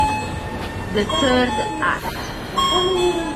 The Third Act